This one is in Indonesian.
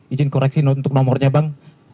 izin koreksi untuk nomornya bang